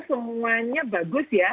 semuanya bagus ya